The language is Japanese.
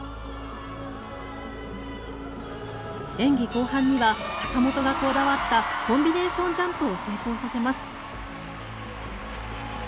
演技後半には坂本がこだわったコンビネーションジャンプを成功させます。